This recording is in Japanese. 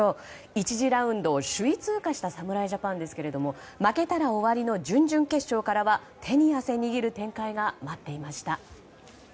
１次ラウンドを首位通過した侍ジャパンですが負けたら終わりの準々決勝からは手に汗握る展開が待っていました。